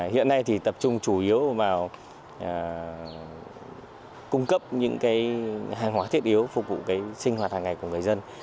hiện nay thì tập trung chủ yếu vào cung cấp những hàng hóa thiết yếu phục vụ sinh hoạt hàng ngày của người dân